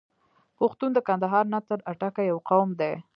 پښتون د کندهار نه تر اټکه یو قوم دی.